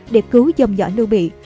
để cứu dòng dõi lưu bị